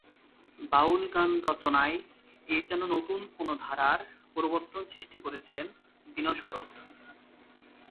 বাউল গান রচনায় এ যেন নতুন কোন ধারার প্রবর্তন সৃষ্টি করেছেন দীন শরৎ।